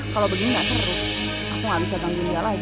kalo begini gak seru aku gak bisa ganggu dia lagi